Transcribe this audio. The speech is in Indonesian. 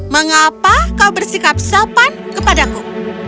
mengapa kau bersikap sopan kepadaku